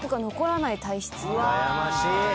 うらやましい。